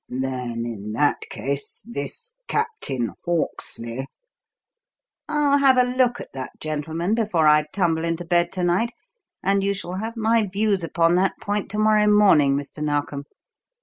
"Then, in that case, this Captain Hawksley " "I'll have a look at that gentleman before I tumble into bed to night, and you shall have my views upon that point to morrow morning, Mr. Narkom.